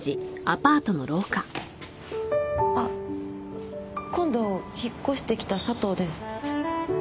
あ今度引っ越してきた佐藤です。